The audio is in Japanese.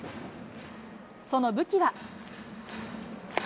その武器は。